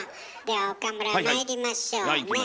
では岡村まいりましょうね。